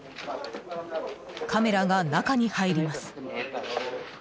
カメラが中に入ります。